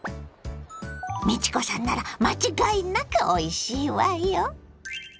美智子さんなら間違いなくおいしいわよ！